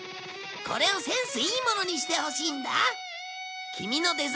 これをセンスいいものにしてほしいんだ。